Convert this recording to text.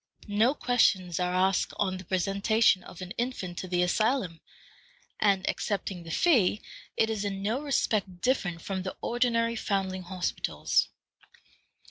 No questions are asked on the presentation of an infant to the asylum, and, excepting the fee, it is in no respect different from the ordinary foundling hospitals.